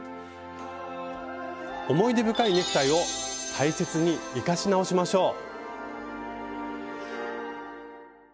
思い出深いネクタイを大切に生かし直しましょう！